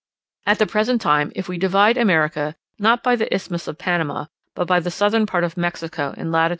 At the present time, if we divide America, not by the Isthmus of Panama, but by the southern part of Mexico in lat.